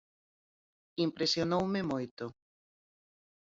Impresionoume moito.